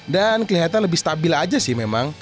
dan kelihatan lebih stabil aja sih memang